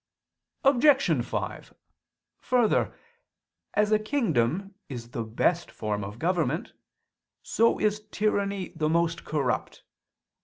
Obj. 5: Further, as a kingdom is the best form of government, so is tyranny the most corrupt.